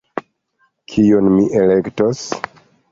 Kiun mi elektos.